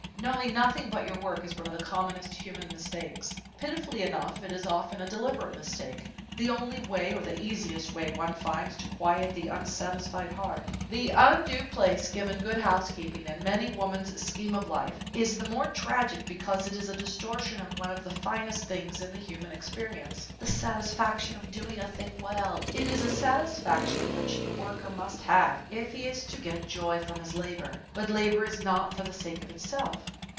Knowing nothing but your work is one of the commonest human mistakes. Pitifully enough it is often a deliberate mistake the only way or the easiest way one finds to quiet an unsatisfied heart. The undue place given good housekeeping in many a woman's scheme of life is the more tragic because it is a distortion of one of the finest things in the human experience the satisfaction of doing a thing well. It is a satisfaction which the worker must have if he is to get joy from his labor. But labor is not for the sake of itself.